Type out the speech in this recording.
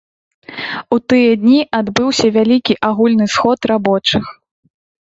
У тыя дні адбыўся вялікі агульны сход рабочых.